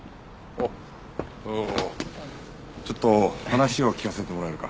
おおちょっと話を聞かせてもらえるか？